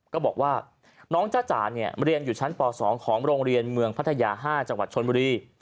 ก็บอกว่าน้องจ้าจ๋าเรียนอยู่ชั้นป๒ของโรงเรียนเมืองพัทยา๕จังหวัดชนบุรี